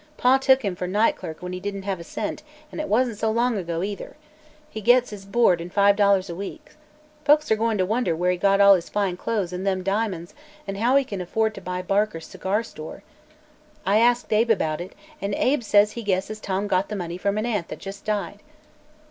Pa took him for night clerk when he didn't have a cent and it wasn't so long ago, either. He gets his board an' five dollars a week. Folks are goin' to wonder where he got all his fine clothes, an' them di'monds, an' how he can afford to buy Barker's cigar store. I asked Abe about it an' Abe says he guesses Tom got the money from an aunt that jus' died."